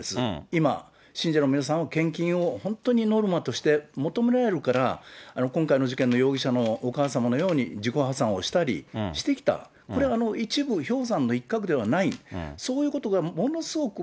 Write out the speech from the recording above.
今、信者の皆さんは献金を本当にノルマとして求められるから、今回の事件の容疑者のお母様のように自己破産をしたりしてきた、これ、一部氷山の一角ではない、そういうことがものすごく、